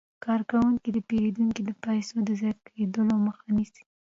کارکوونکي د پیرودونکو د پيسو د ضایع کیدو مخه نیسي.